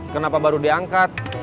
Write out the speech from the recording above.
kenapa baru diangkat